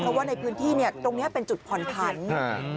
เพราะว่าในพื้นที่ตรงนี้เป็นจุดผ่อนพันธุ์